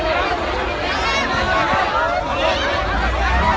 ก็ไม่มีเวลาให้กลับมาเท่าไหร่